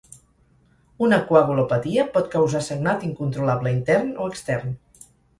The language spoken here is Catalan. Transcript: Una coagulopatia pot causar sagnat incontrolable intern o extern.